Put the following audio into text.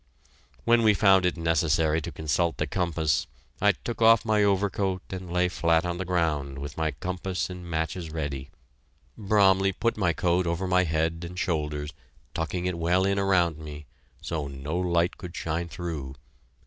When we found it necessary to consult the compass, I took off my overcoat and lay flat on the ground with my compass and matches ready. Bromley put my coat over my head and shoulders, tucking it well in around me, so no light could shine through.